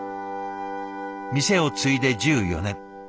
店を継いで１４年。